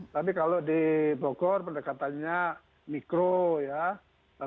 tapi kalau di bogor pendekatannya mikro ya